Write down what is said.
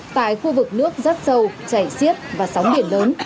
tại khu vực nước rắt sâu chảy xiết và sóng biển lớn